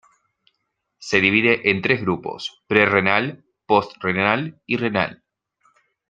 Se divide en tres grupos: pre-renal, post-renal y renal.